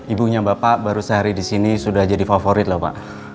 ibunya bapak baru sehari di sini sudah jadi favorit lho pak